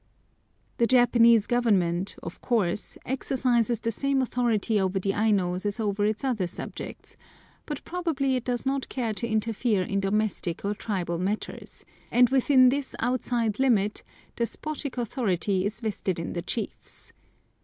The Japanese Government, of course, exercises the same authority over the Ainos as over its other subjects, but probably it does not care to interfere in domestic or tribal matters, and within this outside limit despotic authority is vested in the chiefs.